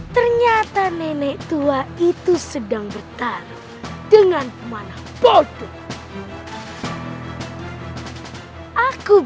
ternyata nenek tua itu sedang bertarung dengan pemanah bodoh